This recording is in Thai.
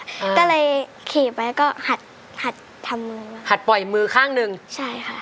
อืมก็เลยขี่ไปก็หัดหัดทำมือหัดปล่อยมือข้างหนึ่งใช่ค่ะ